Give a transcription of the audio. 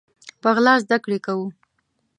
په غلا زده کړي کوو